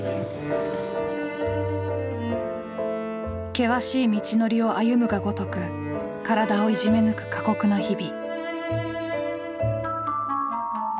険しい道のりを歩むがごとく体をいじめ抜く過酷な日々。